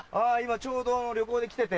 ちょうど旅行で来てて。